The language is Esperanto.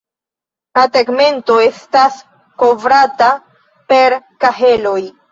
La tegmento estas kovrata per kaheloj.